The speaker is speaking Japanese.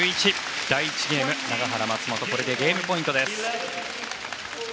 第１ゲーム、永原、松本ゲームポイントです。